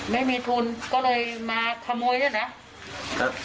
ไม่มีทุนก็เลยมาขโมยด้วยนะ